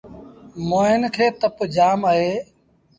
موهيݩ کي تپ جآم اهي۔